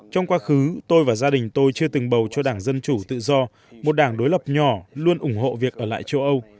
trong quá khứ tôi và gia đình tôi chưa từng bầu cho đảng dân chủ tự do một đảng đối lập nhỏ luôn ủng hộ việc ở lại châu âu